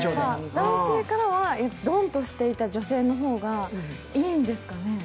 男性からはどんとしていた女性の方がいいんですかね。